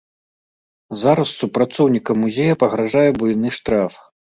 Зараз супрацоўнікам музея пагражае буйны штраф.